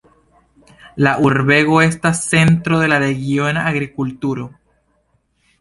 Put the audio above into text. La urbego estas centro de la regiona agrikulturo.